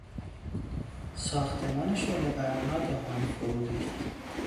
ساختمان شعلهور ناگهان فرو ریخت.